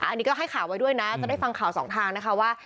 ก็จะได้ฟังข่าวไว้ด้วยนะจะได้ฟังข่าวสองทางนะคะว่า